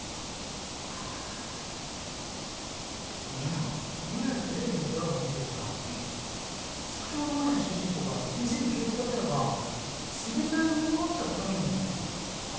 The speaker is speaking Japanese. この間ぼんやりテレビのドラマを見ていたら酒を飲まない主人公が店に気を使ってなのか冷たいウーロン茶を頼むんですね。